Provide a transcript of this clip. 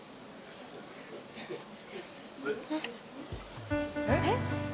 えっ？えっ？